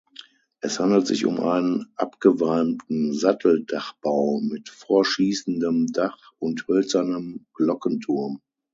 Es handelt sich um einen abgewalmten Satteldachbau mit vorschießendem Dach und hölzernem Glockenturm.